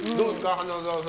花澤さん。